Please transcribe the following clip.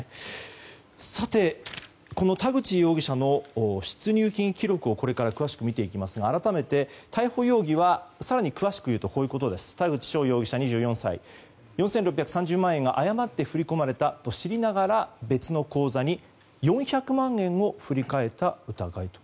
さて、田口容疑者の出入金記録をこれから詳しく見ていきますが改めて逮捕容疑は更に詳しく言うと田口翔容疑者、２４歳は４６３０万円が誤って振り込まれたと知りながら別の口座に４００万円を振り替えた疑いと。